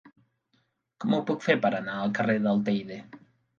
Com ho puc fer per anar al carrer del Teide?